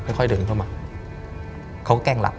ค่อยเดินเข้ามาเขาก็แกล้งหลับ